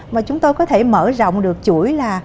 và chúng tôi có thể mở rộng được chuỗi là